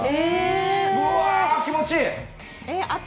うわ、気持ちいい！